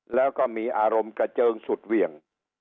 แล้วก็มีอารมณ์กระเจิงสุดเหวี่ยง